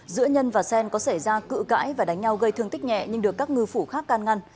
giữa nhân và xen có xảy ra cự cãi và đánh nhau gây thương tích nhẹ nhưng được các ngư phủ khác can ngăn